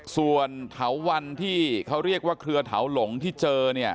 ส่วนเถาวันที่เขาเรียกว่าเครือเถาหลงที่เจอเนี่ย